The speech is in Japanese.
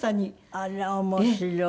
あら面白い。